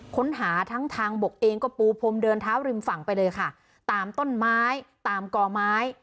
ค้นหาทั้งทางบกเองก็ปูพรมเดินเท้าริมฝั่งไปเลยค่ะตามต้นไม้ตามกอไม้